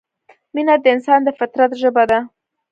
مینه د انسان د فطرت ژبه ده.